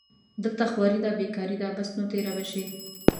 دلته خواري دې بېکاري ده بس نو تېره به شي